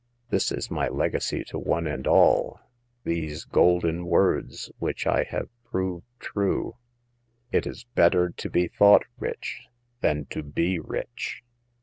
This is my legacy to one and all— these golden words, which I have proved true :* It is better to be thought rich than to be rich.'